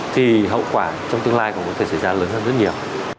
thì hậu quả trong tương lai cũng có thể xảy ra lớn hơn rất nhiều